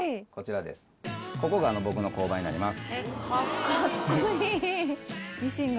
ここが僕の工場になります。